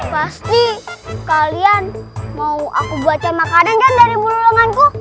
pasti kalian mau aku buatkan makanan kan dari bulu lemanku